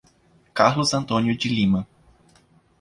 Carlos Antônio de Lima